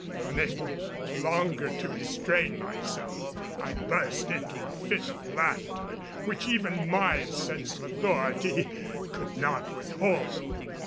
Unable longer to restrain myself I burst into a fit of laughter, which even my sense of authority could not withhold.